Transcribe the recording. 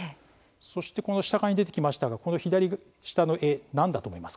そしてこの下側に出てきましたがこの左下の絵何だと思いますか？